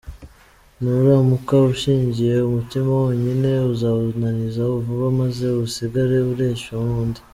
Nuramuka ushyingiwe umutima wonyine, uzawunaniza vuba maze usigare ureshywa nundi.